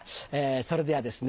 それではですね